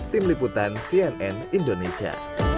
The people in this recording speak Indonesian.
tim liputan cnn indonesia